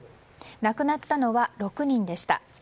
亡くなったのは６人でした。